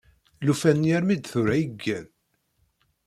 Llufan-nni armi d tura i igen.